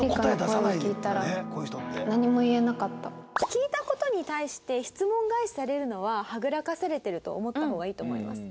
聞いた事に対して質問返しされるのははぐらかされてると思った方がいいと思います。